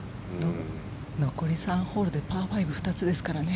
残り３ホールでパー５、２つですからね。